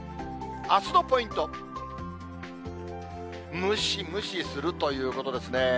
あすのポイント、ムシムシするということですね。